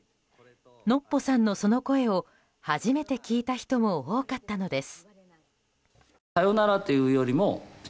ノッポさんのその声を初めて聞いた人も多かったのです。